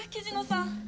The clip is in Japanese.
雉野さん。